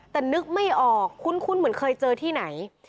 แต่นึกไม่ออกคุ้นเหมือนเคยเจอที่ไหน